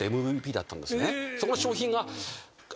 そこの賞品が。